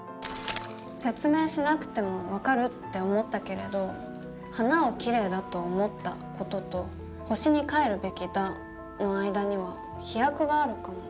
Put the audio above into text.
説明しなくても分かるって思ったけれど「花をキレイだと思った」事と「星に帰るべきだ」の間には飛躍があるかも。